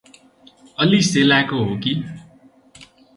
अल्ली सेलाको हो कि?